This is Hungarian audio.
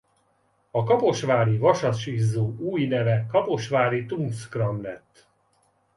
A Kaposvári Vasas Izzó új neve Kaposvári Tungsram lett.